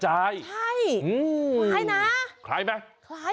ใช่คล้ายแล้ว